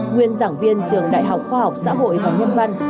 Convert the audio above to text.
nguyên giảng viên trường đại học khoa học xã hội và nhân văn